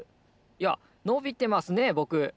いやのびてますねぼく。